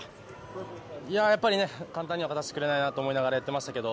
簡単には勝たせてくれないなと思いながらやっていました。